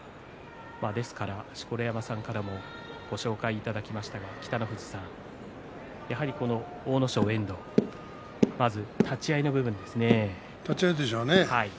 錣山さんからもご紹介いただきましたがやはり阿武咲と遠藤立ち合いでしょうね。